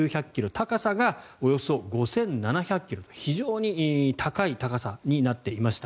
高さがおよそ５７００ｋｍと非常に高い高さになっていました。